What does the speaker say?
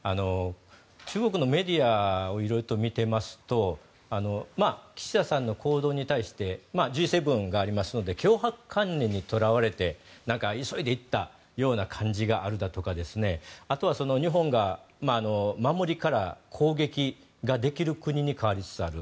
中国のメディアを色々と見ていますと岸田さんの行動に対してＧ７がありますので強迫観念にとらわれて急いで行ったような感じがあるだとかあとは、日本が守りから攻撃ができる国に変わりつつある。